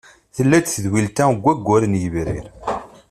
Tella-d tedwilt-a deg waggur n yebrir.